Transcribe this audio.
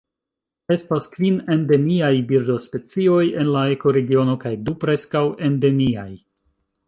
Estas kvin endemiaj birdospecioj en la ekoregiono kaj du preskaŭ endemiaj.